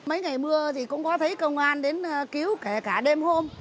mấy ngày mưa thì cũng có thấy công an đến cứu kể cả đêm hôm